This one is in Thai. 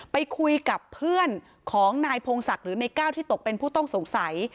ไปคุยกับเพื่อนของนายพงศักดิ์หรือในก้าวที่ตกเป็นผู้ต้องสงสัย